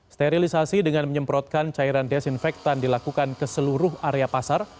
sterilisasi dengan menyemprotkan cairan desinfektan dilakukan ke seluruh area pasar